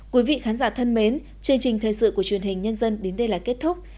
quý vị khán giả thân mến chương trình thời sự của truyền hình nhân dân đến đây là kết thúc